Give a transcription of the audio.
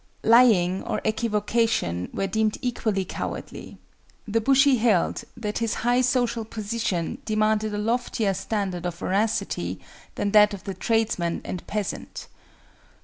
Lying or equivocation were deemed equally cowardly. The bushi held that his high social position demanded a loftier standard of veracity than that of the tradesman and peasant.